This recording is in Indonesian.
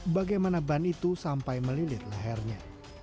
bagaimana ban itu sampai melilit lehernya